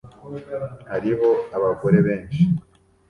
Hariho abagore benshi